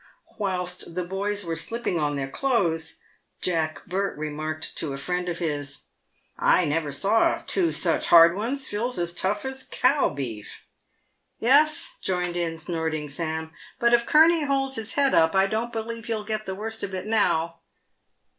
"Whilst the boys were slipping on their clothes, Jack Burt remarked to a friend of his, " I never saw two such hard ones ; Phil's as tough as cow beef." " Yes," joined in Snorting Sam, " but if Kurney holds his head up I don't believe he'll get the worst of it now."